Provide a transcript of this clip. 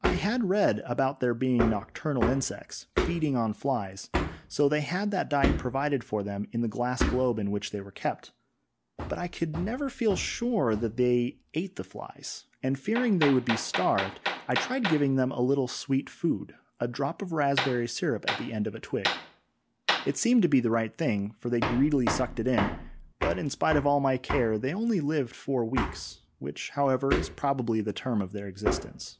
I had read about their being nocturnal insects, feeding on flies, so they had that diet provided for them in the glass globe in which they were kept, but I could never feel sure that they ate the flies, and fearing they would be starved I tried giving them a little sweet food, a drop of raspberry syrup at the end of a twig; it seemed to be the right thing, for they greedily sucked it in, but in spite of all my care they only lived four weeks; which, however, is probably the term of their existence.